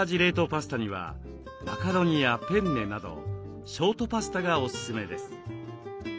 パスタにはマカロニやペンネなどショートパスタがおすすめです。